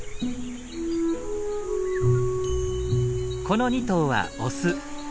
この２頭はオス。